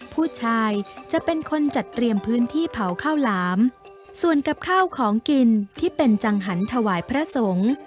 ผู้ชายจะเป็นคนจัดเตรียมพื้นที่เผาข้าวหลามส่วนกับข้าวของกินที่เป็นจังหันถวายพระสงฆ์